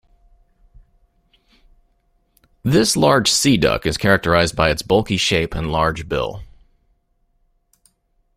This large sea duck is characterised by its bulky shape and large bill.